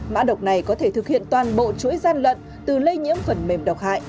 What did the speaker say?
mã độc này có thể thực hiện toàn bộ chuỗi gian lận từ lây nhiễm phần mềm độc hại